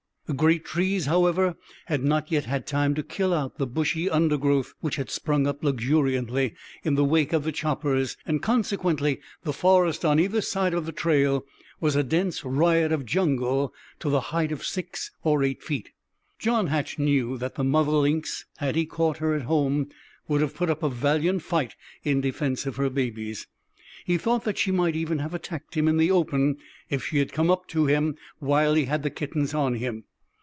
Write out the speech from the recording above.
The great trees, however, had not yet had time to kill out the bushy undergrowth which had sprung up luxuriantly in the wake of the choppers, and consequently the forest on either side of the trail was a dense riot of jungle to the height of six or eight feet. John Hatch knew that the mother lynx, had he caught her at home, would have put up a valiant fight in defense of her babies. He thought that she might even have attacked him in the open if she had come up with him while he had the kittens on him.